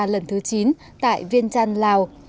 lần thứ chín tại viên trăn lào